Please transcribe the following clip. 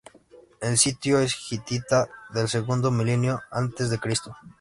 El sitio es hitita, del segundo milenio antes de Cristo.